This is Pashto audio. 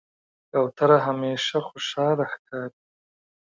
کوتره همیشه خوشحاله ښکاري.